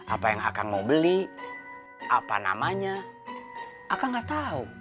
apa yang akang mau beli apa namanya akan gak tahu